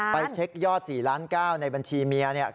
ไปเช็คยอด๔ล้าน๙ในบัญชีเมียเนี่ย